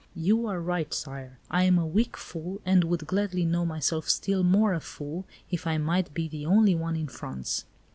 "You are right, Sire, I am a weak fool, and would gladly know myself still more a fool if I might be the only one in France!"